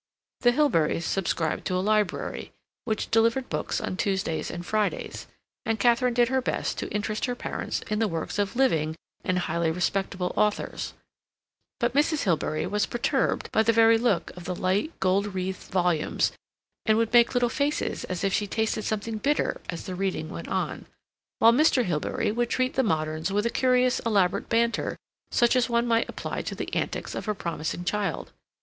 The Hilberys subscribed to a library, which delivered books on Tuesdays and Fridays, and Katharine did her best to interest her parents in the works of living and highly respectable authors; but Mrs. Hilbery was perturbed by the very look of the light, gold wreathed volumes, and would make little faces as if she tasted something bitter as the reading went on; while Mr. Hilbery would treat the moderns with a curious elaborate banter such as one might apply to the antics of a promising child.